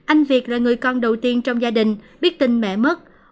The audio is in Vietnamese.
anh việt là người con đầu tiên trong gia đình biết tin mẹ mất